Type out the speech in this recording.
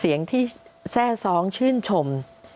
เสียงที่แทร่ซ้องชื่นชม